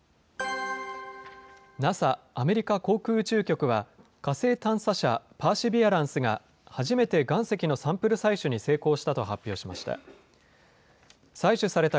ＮＡＳＡ・アメリカ航空宇宙局は、火星探査車パーシビアランスが、初めて岩石のサンプル採取に成功したと発表しました。